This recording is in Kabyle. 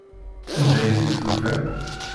Anda ay tt-id-tufam?